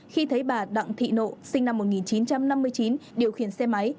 khi thấy bà đặng thị nộ sinh năm một nghìn chín trăm năm mươi chín điều khiển xe máy